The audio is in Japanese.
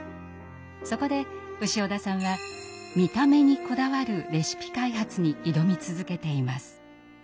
そこで潮田さんは見た目にこだわるレシピ開発に挑み続けています。